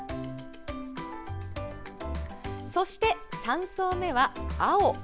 そして、３層目は青。